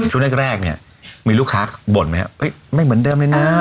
ช่วงแรกเนี่ยมีลูกค้าบ่นไหมครับไม่เหมือนเดิมเลยนะ